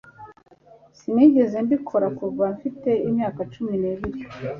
Sinigeze mbikora kuva mfite imyaka cumi n'ibiri.